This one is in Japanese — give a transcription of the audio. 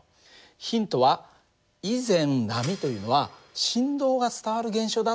ヒントは以前波というのは振動が伝わる現象だって言ったよね。